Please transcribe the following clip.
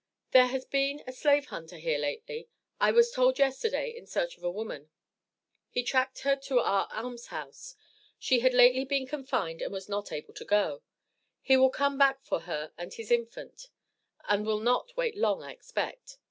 There has been a slave hunter here lately, I was told yesterday, in search of a woman; he tracked her to our Alms house she had lately been confined and was not able to go he will come back for her and his infant and will not wait long I expect.